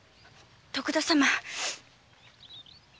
徳田様。